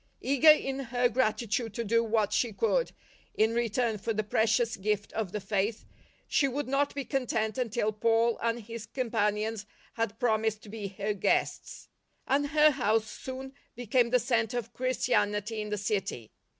Eager in her grati tude to do what she could in return for the precious gift of the Faith, she would not be content until Paul and his companions had promised to be her guests; and her house soon became the centre of Christianity in the city.